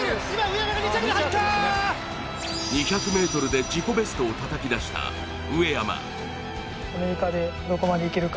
２００ｍで自己ベストをたたき出した上山。